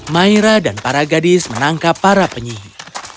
maira dan para gadis menangkap para penyihir